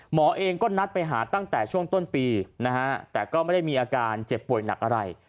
หมอเองก็นัดไปหาตั้งแต่ช่วงต้นปีนะฮะแต่ก็ไม่ได้มีอาการเจ็บป่วยหนักอะไร